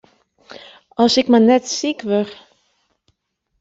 As ik mar net siik wurd!